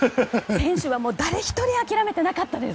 選手は誰１人諦めていなかったです。